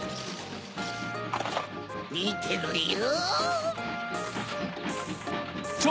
みてろよ。